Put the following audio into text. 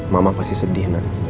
mama pasti sedih nanda